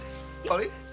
あれ？